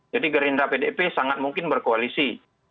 jadi gerindra pdip sangat mungkin berkoalisi